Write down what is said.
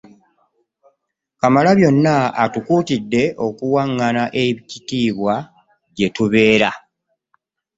Kamalabyonna atukuutidde okuwangana ekitiibwa gye tubeera.